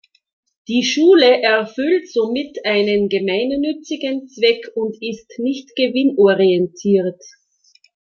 Die Schule erfüllt somit einen gemeinnützigen Zweck und ist nicht gewinnorientiert.